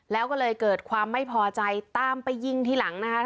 แล้วก็เลยเกิดความไม่พอใจตามไปยิงทีหลังนะคะ